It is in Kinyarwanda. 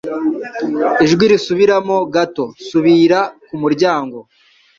Ijwi risubiramo gato. Subira ku muryango